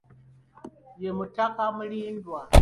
Ye mutaka Mulindwa.